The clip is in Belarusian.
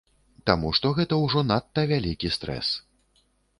Таму што гэта ўжо надта вялікі стрэс.